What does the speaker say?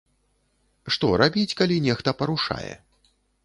Што рабіць, калі нехта парушае?